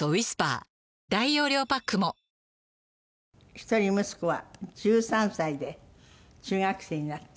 一人息子は１３歳で中学生になった？